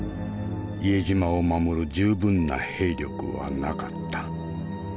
伊江島を守る十分な兵力はなかった。